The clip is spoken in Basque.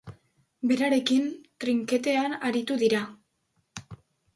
Berarekin, trinketean aritu dira.